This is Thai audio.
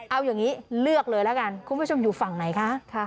เอาอย่างนี้เลือกเลยแล้วกันคุณผู้ชมอยู่ฝั่งไหนคะ